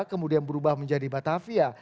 kemudian berubah menjadi batavia